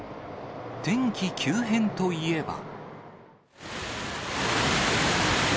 天気急変といえば。